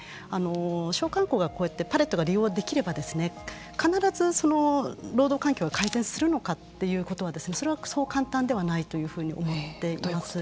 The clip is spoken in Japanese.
ただ、同時に商慣行がパレットが利用できれば必ず労働環境が改善するのかということはそれはそう簡単ではないというふうに思っています。